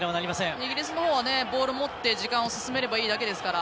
イギリスのほうはボールを持って時間を進めればいいだけですから。